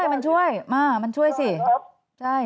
ถามว่าเงิน๕๐๐๐บาทมันไม่เยอะหรอก